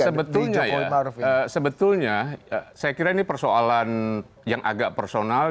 sebetulnya ya sebetulnya saya kira ini persoalan yang agak personal